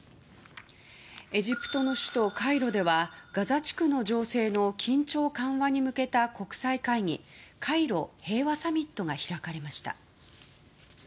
エジプトの首都カイロではガザ地区の情勢の緊張緩和に向けた国際会議カイロ平和サミットが開かれました。